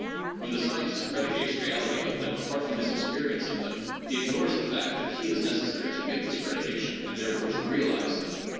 When the scientist predicates reality of them apart from his experience of them, he ignores the fact that he is neces sary to make this predication and therefore to realize them.